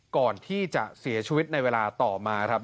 ก่อนที่จะเสียชีวิตในเวลาต่อมาครับ